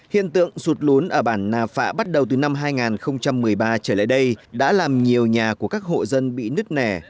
hiện tượng sụt lún ở bản nà phạ bắt đầu từ năm hai nghìn một mươi ba trở lại đây đã làm nhiều nhà của các hộ dân bị nứt nẻ